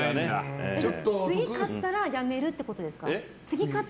次勝ったらやめるってことですか。